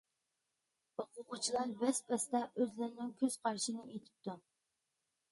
ئوقۇغۇچىلار بەس-بەستە ئۆزلىرىنىڭ كۆز قارىشىنى ئېيتىپتۇ.